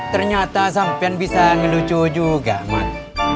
ternyata sampai bisa ngelucu juga mat